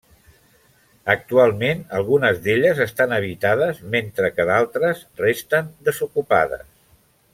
Actualment algunes d'elles estan habitades mentre que d'altres resten desocupades.